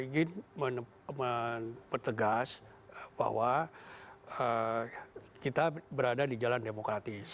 ingin mempertegas bahwa kita berada di jalan demokratis